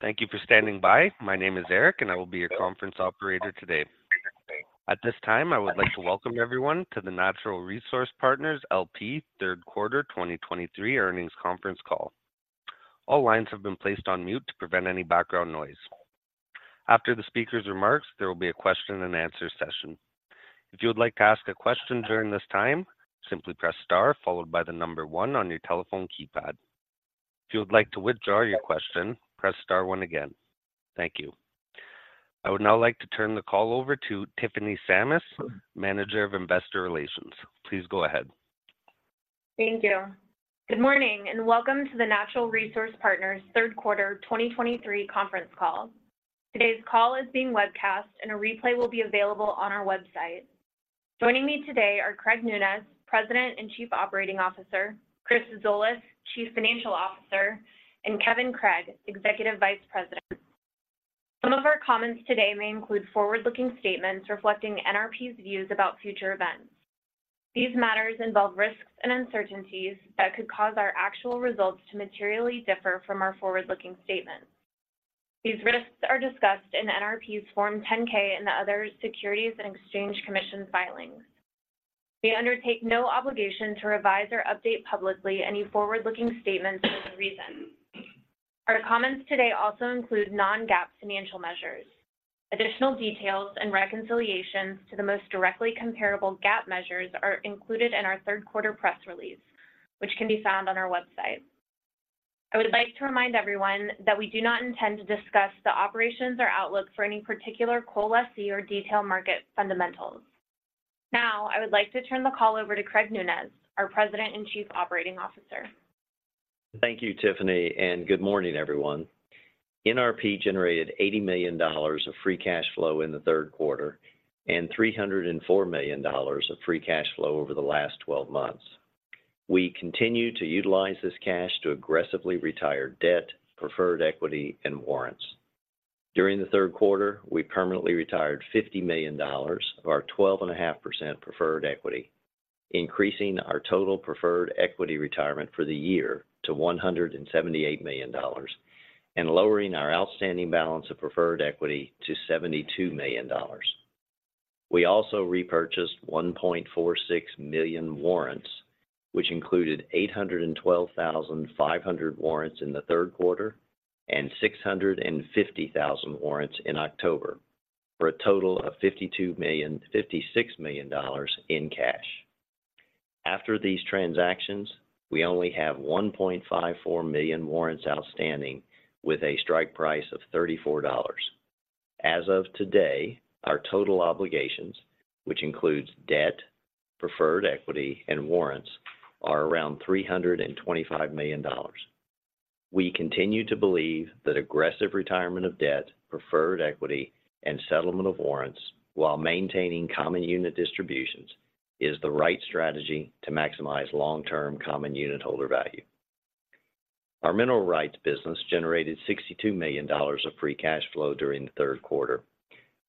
Thank you for standing by. My name is Eric, and I will be your conference operator today. At this time, I would like to welcome everyone to the Natural Resource Partners L.P. Third Quarter 2023 Earnings Conference Call. All lines have been placed on mute to prevent any background noise. After the speaker's remarks, there will be a question and answer session. If you would like to ask a question during this time, simply press star followed by the number one on your telephone keypad. If you would like to withdraw your question, press star one again. Thank you. I would now like to turn the call over to Tiffany Sammis, Manager of Investor Relations. Please go ahead. Thank you. Good morning, and welcome to the Natural Resource Partners Third Quarter 2023 conference call. Today's call is being webcast, and a replay will be available on our website. Joining me today are Craig Nunez, President and Chief Operating Officer, Chris Zolas, Chief Financial Officer, and Kevin Craig, Executive Vice President. Some of our comments today may include forward-looking statements reflecting NRP's views about future events. These matters involve risks and uncertainties that could cause our actual results to materially differ from our forward-looking statements. These risks are discussed in NRP's Form 10-K and the other Securities and Exchange Commission filings. We undertake no obligation to revise or update publicly any forward-looking statements for any reason. Our comments today also include non-GAAP financial measures. Additional details and reconciliations to the most directly comparable GAAP measures are included in our third quarter press release, which can be found on our website. I would like to remind everyone that we do not intend to discuss the operations or outlook for any particular coal lessee or detail market fundamentals. Now, I would like to turn the call over to Craig Nunez, our President and Chief Operating Officer. Thank you, Tiffany, and good morning, everyone. NRP generated $80 million of free cash flow in the third quarter and $304 million of free cash flow over the last twelve months. We continue to utilize this cash to aggressively retire debt, preferred equity, and warrants. During the third quarter, we permanently retired $50 million of our 12.5% preferred equity, increasing our total preferred equity retirement for the year to $178 million and lowering our outstanding balance of preferred equity to $72 million. We also repurchased 1.46 million warrants, which included 812,500 warrants in the third quarter and 650,000 warrants in October, for a total of $52 million–$56 million in cash. After these transactions, we only have 1.54 million warrants outstanding with a strike price of $34. As of today, our total obligations, which includes debt, preferred equity, and warrants, are around $325 million. We continue to believe that aggressive retirement of debt, preferred equity, and settlement of warrants while maintaining common unit distributions is the right strategy to maximize long-term common unit holder value. Our mineral rights business generated $62 million of free cash flow during the third quarter.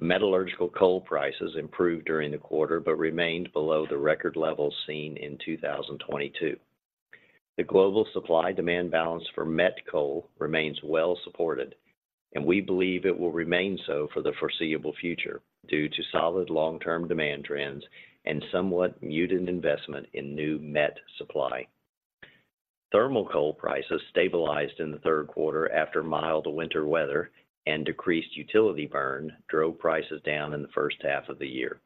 Metallurgical coal prices improved during the quarter, but remained below the record levels seen in 2022. The global supply-demand balance for met coal remains well supported, and we believe it will remain so for the foreseeable future due to solid long-term demand trends and somewhat muted investment in new met supply. Thermal coal prices stabilized in the third quarter after mild winter weather and decreased utility burn drove prices down in the first half of the year.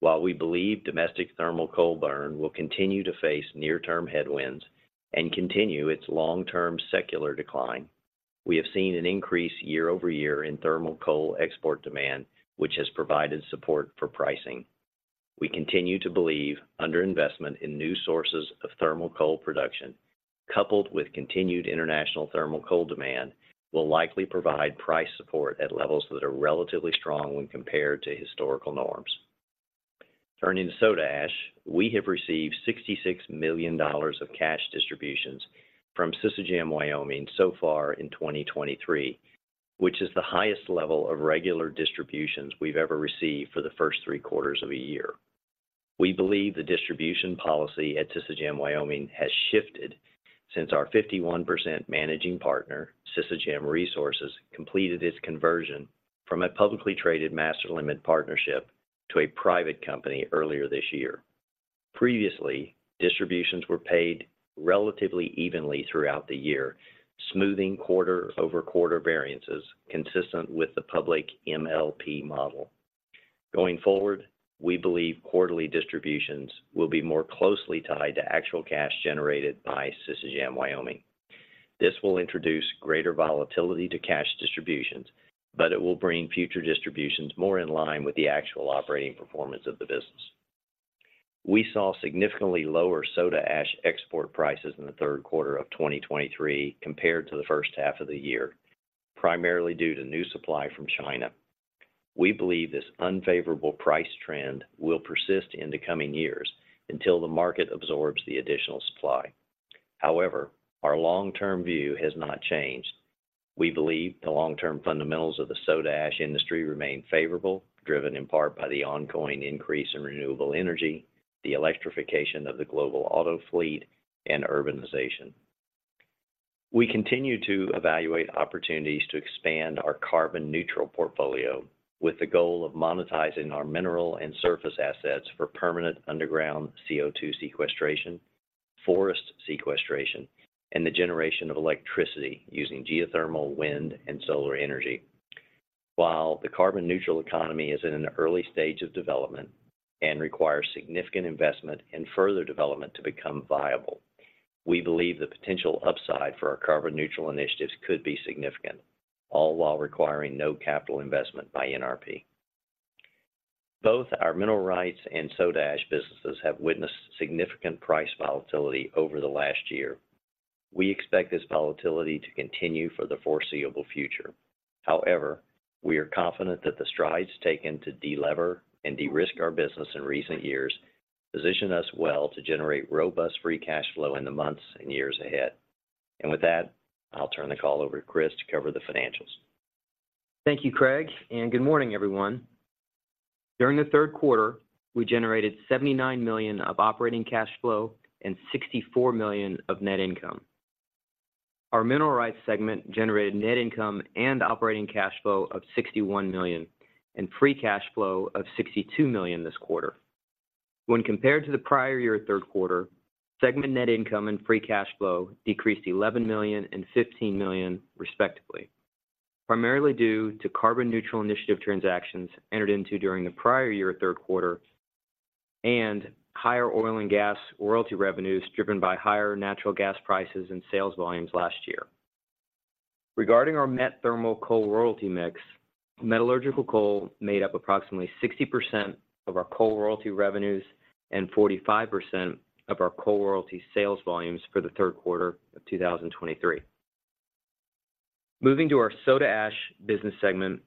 While we believe domestic thermal coal burn will continue to face near-term headwinds and continue its long-term secular decline, we have seen an increase year-over-year in thermal coal export demand, which has provided support for pricing. We continue to believe under investment in new sources of thermal coal production, coupled with continued international thermal coal demand, will likely provide price support at levels that are relatively strong when compared to historical norms. Turning to soda ash, we have received $66 million of cash distributions from Sisecam Wyoming so far in 2023, which is the highest level of regular distributions we've ever received for the first three quarters of a year. We believe the distribution policy at Sisecam Wyoming has shifted since our 51% managing partner, Sisecam Resources, completed its conversion from a publicly traded master limited partnership to a private company earlier this year. Previously, distributions were paid relatively evenly throughout the year, smoothing quarter-over-quarter variances consistent with the public MLP model. Going forward, we believe quarterly distributions will be more closely tied to actual cash generated by Sisecam Wyoming. This will introduce greater volatility to cash distributions, but it will bring future distributions more in line with the actual operating performance of the business. We saw significantly lower soda ash export prices in the third quarter of 2023 compared to the first half of the year, primarily due to new supply from China. We believe this unfavorable price trend will persist in the coming years until the market absorbs the additional supply. However, our long-term view has not changed. We believe the long-term fundamentals of the soda ash industry remain favorable, driven in part by the ongoing increase in renewable energy... the electrification of the global auto fleet, and urbanization. We continue to evaluate opportunities to expand our carbon-neutral portfolio, with the goal of monetizing our mineral and surface assets for permanent underground CO₂ sequestration, forest sequestration, and the generation of electricity using geothermal, wind, and solar energy. While the carbon-neutral economy is in an early stage of development and requires significant investment and further development to become viable, we believe the potential upside for our carbon-neutral initiatives could be significant, all while requiring no capital investment by NRP. Both our mineral rights and soda ash businesses have witnessed significant price volatility over the last year. We expect this volatility to continue for the foreseeable future. However, we are confident that the strides taken to de-lever and de-risk our business in recent years position us well to generate robust free cash flow in the months and years ahead. With that, I'll turn the call over to Chris to cover the financials. Thank you, Craig, and good morning, everyone. During the third quarter, we generated $79 million of operating cash flow and $64 million of net income. Our mineral rights segment generated net income and operating cash flow of $61 million and free cash flow of $62 million this quarter. When compared to the prior year third quarter, segment net income and free cash flow decreased $11 million and $15 million, respectively, primarily due to carbon-neutral initiative transactions entered into during the prior year third quarter, and higher oil and gas royalty revenues, driven by higher natural gas prices and sales volumes last year. Regarding our met, thermal coal royalty mix, metallurgical coal made up approximately 60% of our coal royalty revenues and 45% of our coal royalty sales volumes for the third quarter of 2023. Moving to our soda ash business segment,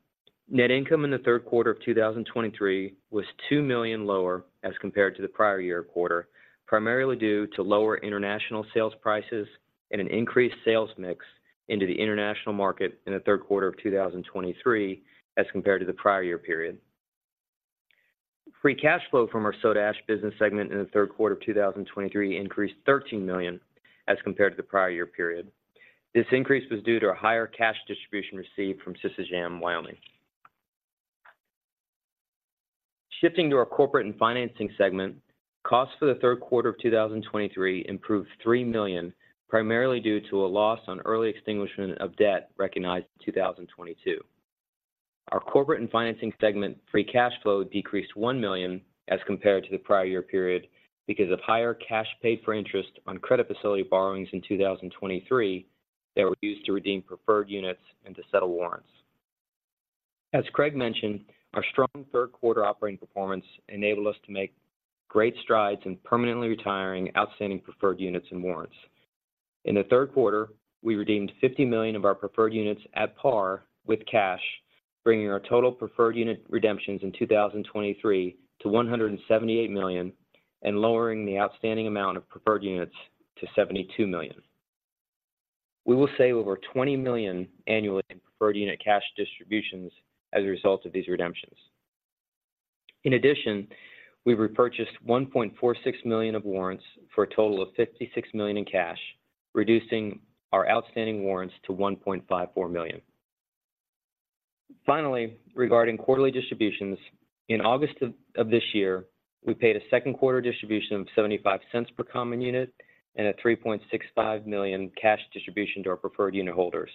net income in the third quarter of 2023 was $2 million lower as compared to the prior year quarter, primarily due to lower international sales prices and an increased sales mix into the international market in the third quarter of 2023 as compared to the prior year period. Free cash flow from our soda ash business segment in the third quarter of 2023 increased $13 million as compared to the prior year period. This increase was due to a higher cash distribution received from Sisecam Wyoming. Shifting to our corporate and financing segment, costs for the third quarter of 2023 improved $3 million, primarily due to a loss on early extinguishment of debt recognized in 2022. Our corporate and financing segment free cash flow decreased $1 million as compared to the prior year period because of higher cash paid for interest on credit facility borrowings in 2023 that were used to redeem preferred units and to settle warrants. As Craig mentioned, our strong third quarter operating performance enabled us to make great strides in permanently retiring outstanding preferred units and warrants. In the third quarter, we redeemed $50 million of our preferred units at par with cash, bringing our total preferred unit redemptions in 2023 to $178 million and lowering the outstanding amount of preferred units to $72 million. We will save over $20 million annually in preferred unit cash distributions as a result of these redemptions. In addition, we repurchased 1.46 million of warrants for a total of $56 million in cash, reducing our outstanding warrants to 1.54 million. Finally, regarding quarterly distributions, in August of this year, we paid a second quarter distribution of $0.75 per common unit and a $3.65 million cash distribution to our preferred unit holders.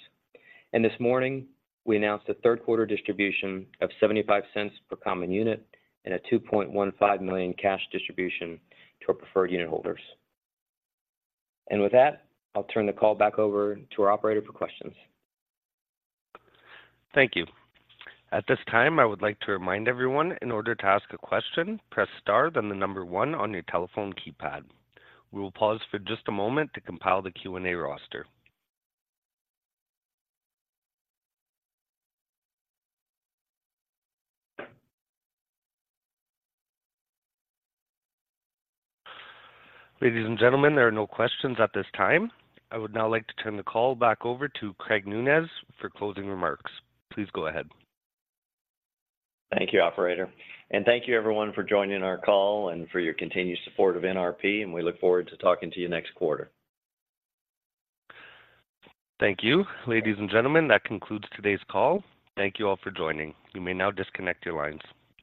And this morning, we announced a third quarter distribution of $0.75 per common unit and a $2.15 million cash distribution to our preferred unit holders. And with that, I'll turn the call back over to our operator for questions. Thank you. At this time, I would like to remind everyone, in order to ask a question, press star, then the number one on your telephone keypad. We will pause for just a moment to compile the Q&A roster. Ladies and gentlemen, there are no questions at this time. I would now like to turn the call back over to Craig Nunez for closing remarks. Please go ahead. Thank you, operator, and thank you everyone for joining our call and for your continued support of NRP, and we look forward to talking to you next quarter. Thank you. Ladies and gentlemen, that concludes today's call. Thank you all for joining. You may now disconnect your lines.